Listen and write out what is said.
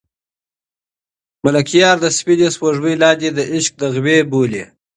ملکیار د سپینې سپوږمۍ لاندې د عشق نغمې بولي.